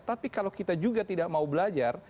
tapi kalau kita juga tidak mau belajar